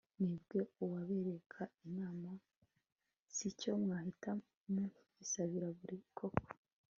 mwebwe uwabereka imana si icyo mwahita muyisabira buriya koko